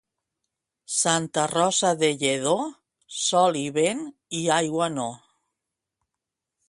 Santa Rosa de Lledó, sol i vent i aigua no.